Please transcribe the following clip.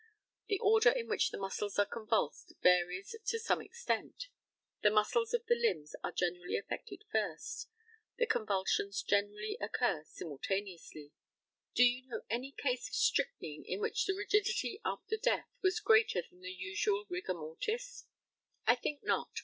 The order in which the muscles are convulsed varies to some extent. The muscles of the limbs are generally affected first. The convulsions generally occur simultaneously. Do you know any case of strychnine in which the rigidity after death was greater than the usual rigor mortis? I think not.